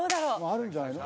あるんじゃないの？